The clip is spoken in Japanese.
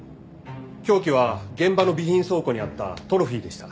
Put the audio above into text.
凶器は現場の備品倉庫にあったトロフィーでした。